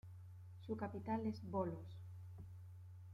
Su capital es Volos.